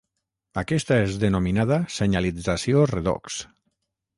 Aquesta és denominada senyalització redox.